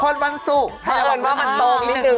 คนวันศุกร์ให้ระวังว่ามันโตนิดนึง